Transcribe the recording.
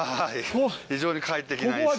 非常に快適な椅子。